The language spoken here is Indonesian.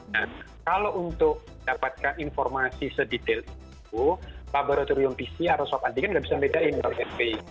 nah kalau untuk dapatkan informasi sedetail itu laboratorium pc atau swab antigen nggak bisa membedakan